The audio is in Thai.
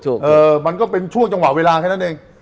หมา่ก็เป็นช่วงจังหวะเวลาแค่นี้เอง